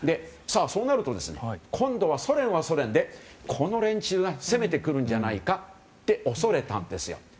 そうなると今度はソ連はソ連でこの連中が攻めてくるんじゃないかと恐れたんですよ。